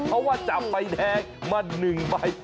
เพราะว่าจับไปแท้มันหนึ่งใบ